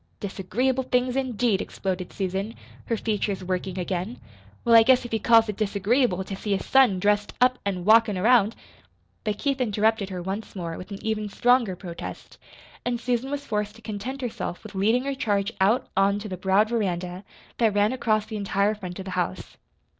"'Disagreeable things,' indeed!" exploded Susan, her features working again. "Well, I guess if he calls it disagreeable to see his son dressed up an' walkin' around " But Keith interrupted her once more, with an even stronger protest, and Susan was forced to content herself with leading her charge out on to the broad veranda that ran across the entire front of the house.